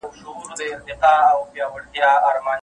له اسمان مي ګيله ده